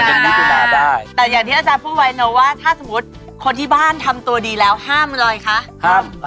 แต่อย่างที่อาจารย์พูดไว้เนอะว่าถ้าสมมติคนที่บ้านทำตัวดีแล้วห้ามอะไรคะ